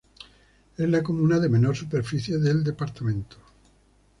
Es la comuna de menor superficie del departamento.